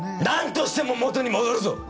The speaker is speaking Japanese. なんとしても元に戻るぞ！